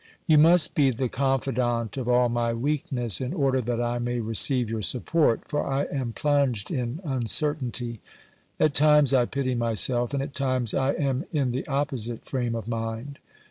You must be the confidant of all my weakness in order that I may receive your support, for I am plunged in un certainty ; at times I pity myself, and at times I am in the opposite frame of mind.